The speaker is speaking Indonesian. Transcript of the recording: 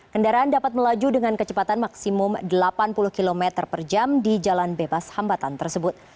kendaraan dapat melaju dengan kecepatan maksimum delapan puluh km per jam di jalan bebas hambatan tersebut